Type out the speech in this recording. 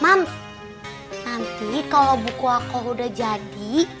nanti kalau buku aku udah jadi